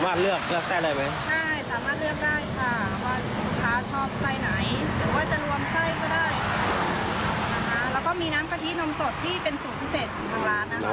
มักกล้า